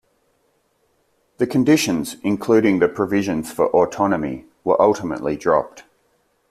The conditions, including the provisions for autonomy, were ultimately dropped.